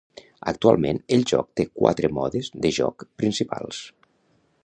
Actualment el joc té quatre modes de joc principals.